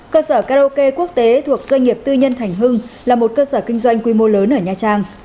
cơ sở karaoke quốc tế thuộc doanh nghiệp tư nhân thành hưng là một cơ sở kinh doanh quy mô lớn ở nha trang